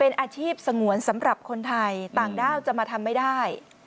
เป็นอาชีพสงวนสำหรับคนไทยต่างด้าวจะมาทำไม่ได้